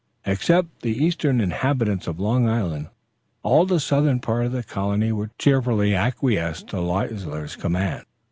Except the eastern inhabitants of Long Island, all the southern part of the colony cheerfully acquiesced to Leisler's command.